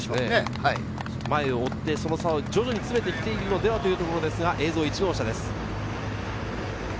前を追って、その差を徐々に詰めてきているのではというところですが、映像は１号車です。